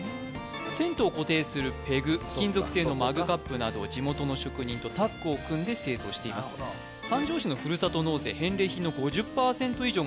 テントを固定するペグ金属製のマグカップなどを地元の職人とタッグを組んで製造していますなるほどだそうです